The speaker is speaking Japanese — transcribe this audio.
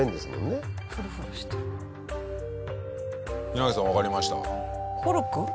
稲垣さんわかりました？